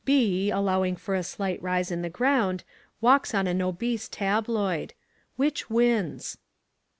B, allowing for a slight rise in the ground, walks on an obese tabloid. Which wins?